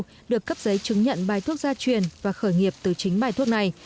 tỉnh lai châu được cấp giấy chứng nhận bài thuốc gia truyền và khởi nghiệp từ chính bài thuốc này